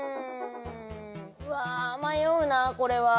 うわ迷うなこれは。